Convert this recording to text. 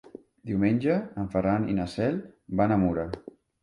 Diumenge en Ferran i na Cel van a Mura.